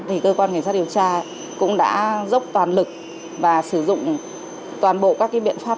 thì cơ quan cảnh sát điều tra cũng đã dốc toàn lực và sử dụng toàn bộ các biện pháp